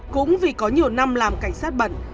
cũng vì có nhiều năm làm cảnh sát bẩn